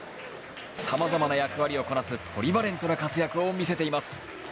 様々な役割をこなすポリバレントな活躍を見せています。